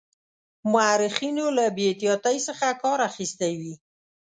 مورخینو له بې احتیاطی څخه کار اخیستی وي.